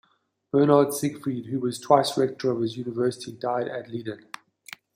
Bernhard Siegfried, who was twice rector of his university, died at Leiden.